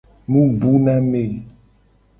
Mu bu na me.